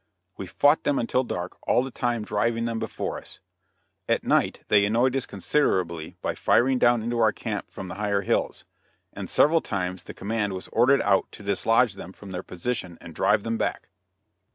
We fought them until dark, all the time driving them before us. At night they annoyed us considerably by firing down into our camp from the higher hills, and several times the command was ordered out to dislodge them from their position and drive them back.